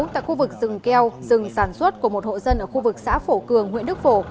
tại khu vực rừng keo rừng sản xuất của một hộ dân ở khu vực xã phổ cường huyện đức phổ